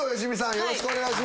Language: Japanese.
よろしくお願いします。